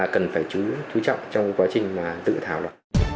cần phải chú trọng trong quá trình tự thảo